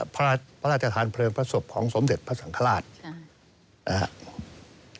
ครับเอ่อพระราชภารณ์เพลิงพระศพของสมเด็จพระสังฆราชใช่อ่า